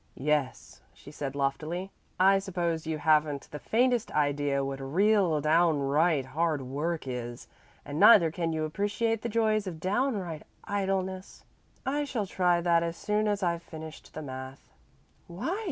"Yes," she said loftily. "I suppose you haven't the faintest idea what real, downright hard work is, and neither can you appreciate the joys of downright idleness. I shall try that as soon as I've finished the math." "Why?"